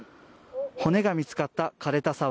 骨が見つかったかれた沢